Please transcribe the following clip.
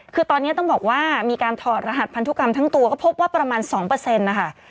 คือตอนนี้ต้องบอกว่ามีการถอดรหัสพันธุกรรมทั้งตัวก็พบว่าประมาณ๒นะคะ